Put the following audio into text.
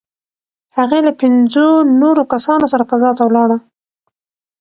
هغې له پنځو نورو کسانو سره فضا ته ولاړه.